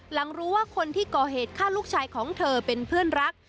หลังรู้ว่าคนที่ก่อเหตุฆ่าลูกชายของเธอเป็นเพื่อนรัก